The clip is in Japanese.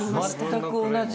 全く同じ？